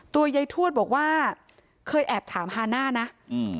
ยายทวดบอกว่าเคยแอบถามฮาน่านะอืม